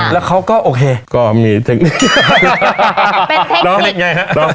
แล้วเขาก็โอเคก็มีเทคนิคเป็นเทคนิคแล้วเป็นยังไงฮะ